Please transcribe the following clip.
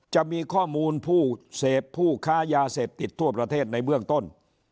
จะมีข้อมูลผู้เสพผู้ค้ายาเสพติดทั่วประเทศในเบื้องต้น